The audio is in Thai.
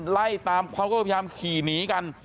ไล่ตามเขาก็พยายามขี่หนีกัน